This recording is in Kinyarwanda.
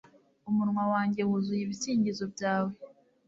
Umunwa wanjye wuzuye ibisingizo byawe